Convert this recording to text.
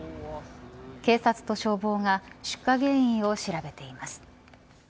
警察と消防が出火原因を調べています。